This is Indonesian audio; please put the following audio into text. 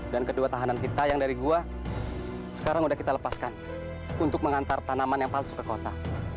dan kedua tahanan kita yang dari gua sekarang sudah kita lepaskan untuk mengantar tanaman yang palsu ke kota